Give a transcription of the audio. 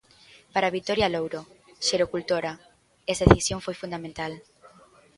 Para Vitoria Louro, xerocultora, esta decisión foi fundamental.